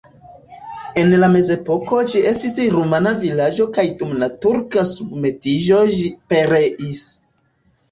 En mezepoko ĝi estis rumana vilaĝo kaj dum la turka submetiĝo ĝi pereis.